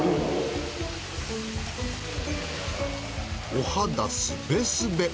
お肌スベスベ！